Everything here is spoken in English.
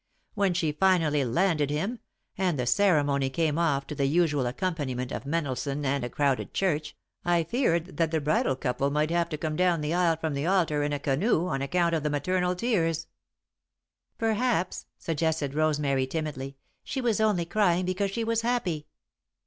When she finally landed him, and the ceremony came off to the usual accompaniment of Mendelssohn and a crowded church, I feared that the bridal couple might have to come down the aisle from the altar in a canoe, on account of the maternal tears." [Sidenote: A Contrast] "Perhaps," suggested Rosemary, timidly, "she was only crying because she was happy."